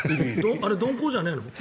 あれ、鈍行じゃないの？